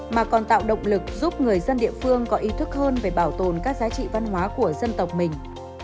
mà còn tạo động lực giúp người dân địa phương có ý thức hơn về bảo tồn các giá trị văn hóa của dân tộc mình